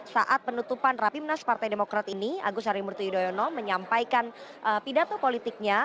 saat penutupan rapimnas partai demokrat ini agus harimurti yudhoyono menyampaikan pidato politiknya